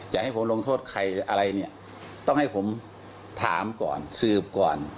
จะให้ผมลงโทษใครอะไรเนี่ยต้องให้ผมถามก่อนสืบก่อน